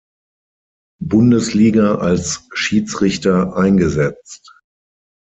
Bundesliga als Schiedsrichter eingesetzt.